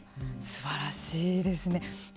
すばらしいですね。